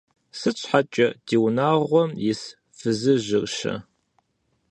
Сыт щхьэкӀэ, ди унагъуэм ис фызыжьыр-щэ?